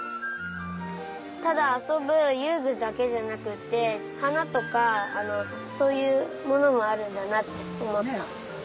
ただあそぶゆうぐだけじゃなくってはなとかそういうものもあるんだなっておもった。